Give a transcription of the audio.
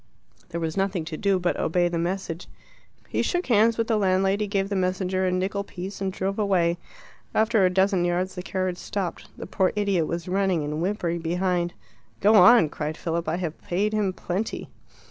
There was nothing to do but to obey the message. He shook hands with the landlady, gave the messenger a nickel piece, and drove away. After a dozen yards the carriage stopped. The poor idiot was running and whimpering behind. "Go on," cried Philip. "I have paid him plenty."